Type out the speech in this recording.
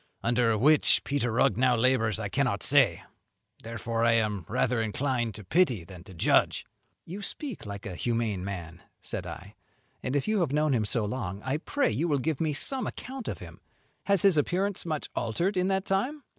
Under which Peter Rugg now labours I cannot say; therefore I am rather inclined to pity than to judge." "You speak like a humane man," said I, "and if you have known him so long, I pray you will give me some account of him. Has his appearance much altered in that time?"